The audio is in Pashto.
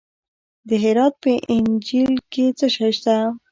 د هرات په انجیل کې څه شی شته؟